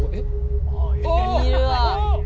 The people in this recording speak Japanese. いるわあ。